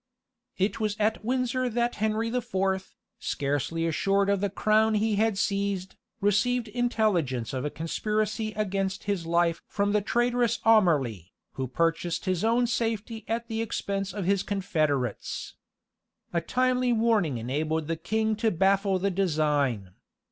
It was at Windsor that Henry the Fourth, scarcely assured of the crown he had seized, received intelligence of a conspiracy against his life from the traitorous Aumerle, who purchased his own safety at the expense of his confederates. The timely warning enabled the king to baffle the design.